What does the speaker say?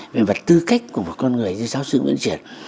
về mặt tư cách của một con người như giáo sư nguyễn triển